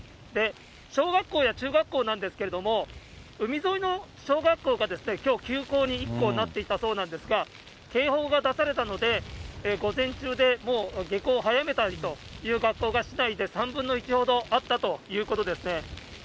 小学校や中学校なんですけれども、海沿いの小学校がきょう、休校になっていたそうなんですが、警報が出されたので、午前中でもう下校を早めたりという学校が、市内で３分の１ほどあったということですね。